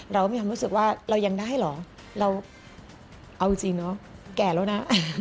เราก็มีความรู้สึกว่าเรายังได้เหรอเราเอาจริงเนอะแก่แล้วนะ